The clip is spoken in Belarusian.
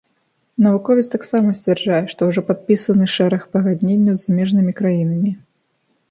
Навуковец таксама сцвярджае, што ўжо падпісаны шэраг пагадненняў з замежнымі краінамі.